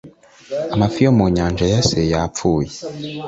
amafi yo mu nyanja yase yapfuye